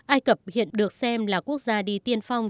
ai cập hiện được xem là quốc gia đi tiên phong